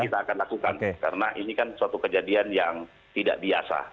kita akan lakukan karena ini kan suatu kejadian yang tidak biasa